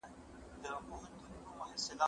کېدای سي مکتب بند وي!!